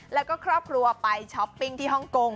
แล้วก็ครอบครัวไปช้อปปิ้งที่ฮ่องกง